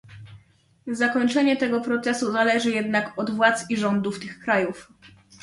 Zakończenie tego procesu zależy jednak od władz i rządów tych krajów